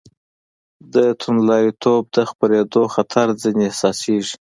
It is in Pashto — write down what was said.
د توندلاریتوب د خپرېدو خطر ځنې احساسېږي.